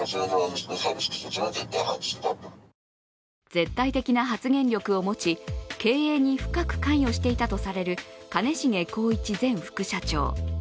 絶対的な発言力を持ち経営に深く関与していたとされる兼重宏一前副社長。